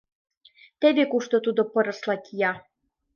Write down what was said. Теве кушто тудо пырысла кия.